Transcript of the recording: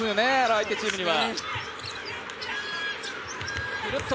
相手チームには。